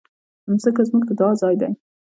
مځکه زموږ د دعا ځای ده.